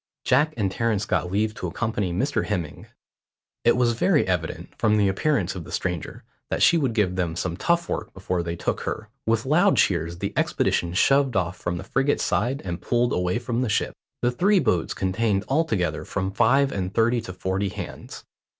Jack and Terence got leave to accompany Mr Hemming. It was very evident, from the appearance of the stranger, that she would give them some tough work before they took her. With loud cheers the expedition shoved off from the frigate's side and pulled away for the ship. The three boats contained altogether from five and thirty to forty hands.